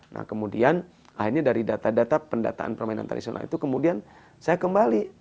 nah kemudian akhirnya dari data data pendataan permainan tradisional itu kemudian saya kembali